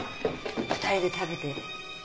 ２人で食べて。